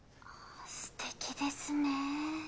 すてきですね。